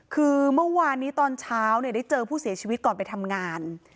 คือเมื่อวานนี้ตอนเช้าได้เจอผู้เสียชีวิตก่อนไปทำงาน